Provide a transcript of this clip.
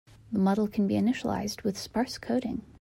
The model can be initialized with sparse coding.